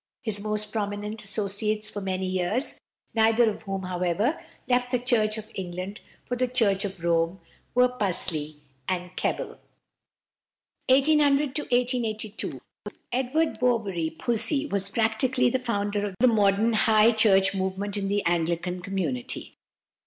His most prominent associates for many years, neither of whom, however, left the Church of England for the Church of Rome, were Pusey and Keble. =Edward Bouverie Pusey (1800 1882)= was practically the founder of the modern High Church movement in the Anglican community.